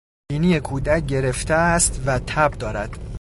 بینی کودک گرفته است و تب دارد.